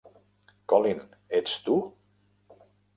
Colin, ets tu?